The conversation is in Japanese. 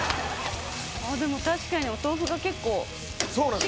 でも確かにお豆腐が結構しっかり。